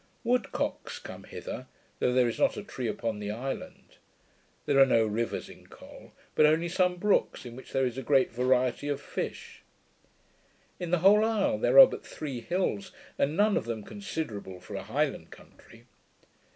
Woodcocks come hither, though there is not a tree upon the island. There are no rivers in Col; but only some brooks, in which there is a great variety of fish. In the whole isle there are but three hills, and none of them considerable, for a Highland country.